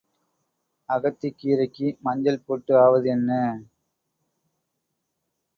அகத்திக் கீரைக்கு மஞ்சள் போட்டு ஆவது என்ன?